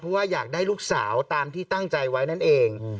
เพราะว่าอยากได้ลูกสาวตามที่ตั้งใจไว้นั่นเอง